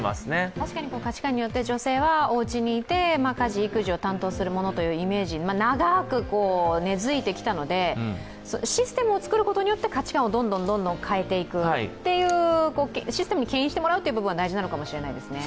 確かに価値観によって女性はおうちにいて家事・育児を担当するものということが長く根付いてきたのでシステムをつくることによって価値観をどんどん変えていくという、システムにけん引してもらう部分は大事なのかもしれませんね。